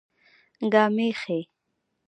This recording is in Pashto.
ګامېښې